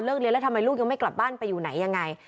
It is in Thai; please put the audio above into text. เรียนแล้วทำไมลูกยังไม่กลับบ้านไปอยู่ไหนยังไง